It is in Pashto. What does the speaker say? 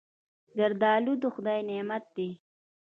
زردالو د خدای نعمت دی.